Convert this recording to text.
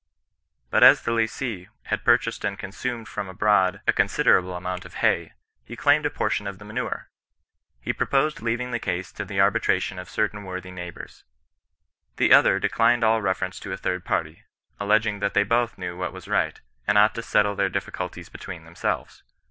But as the lessee had purchased and consumed from abroad «a considerable amount of hay, he claimed a portion of the manure. He proposed leaving the case to the arbitration of certain worthy neighbours. The other declined all re ference to a third party, alleging that they both knew what was right, and ought to settle their difficulties b^ tween themselves.